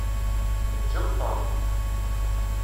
Ǧǧem Tom.